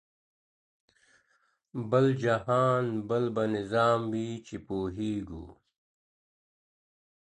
بل جهان بل به نظام وي چي پوهېږو.